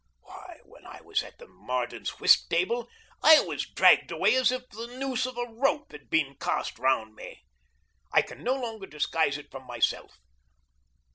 Why, when I was at the Mardens' whist table, I was dragged away as if the noose of a rope had been cast round me. I can no longer disguise it from myself.